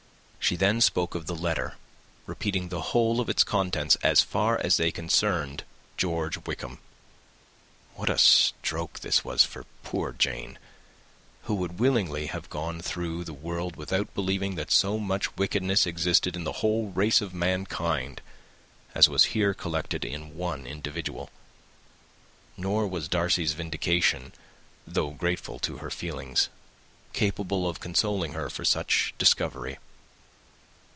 She then spoke of the letter, repeating the whole of its contents as far as they concerned George Wickham. What a stroke was this for poor Jane, who would willingly have gone through the world without believing that so much wickedness existed in the whole race of mankind as was here collected in one individual! Nor was Darcy's vindication, though grateful to her feelings, capable of consoling her for such discovery.